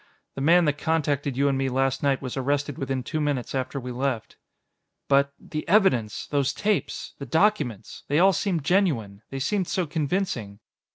The man that contacted you and me last night was arrested within two minutes after we left." "But the evidence! Those tapes. The documents. They all seemed genuine. They seemed so convincing."